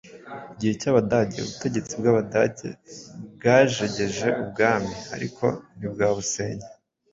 Igihe cy'Abadage Ubutegetsi bw'Abadage bwajegeje ubwami ariko ntibwabusenya